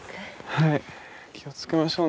はい。